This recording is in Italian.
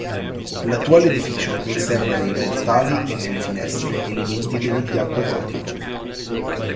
L'attuale edificio conserva nei portali e nelle finestre elementi dell'impianto gotico.